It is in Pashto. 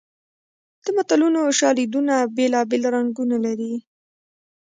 د متلونو شالیدونه بېلابېل رنګونه لري